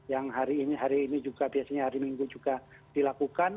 yang hari ini hari ini juga biasanya hari minggu juga dilakukan